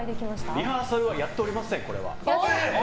リハーサルはやっておりません。